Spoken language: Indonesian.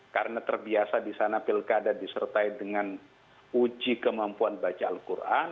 karena terbiasa di sana pilkada disertai dengan uji kemampuan baca al quran